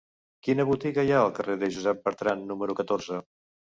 Quina botiga hi ha al carrer de Josep Bertrand número catorze?